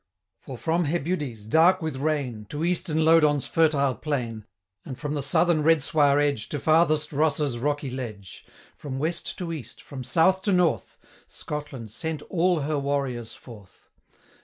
For from Hebudes, dark with rain, 535 To eastern Lodon's fertile plain, And from the southern Redswire edge, To farthest Rosse's rocky ledge: From west to east, from south to north, Scotland sent all her warriors forth.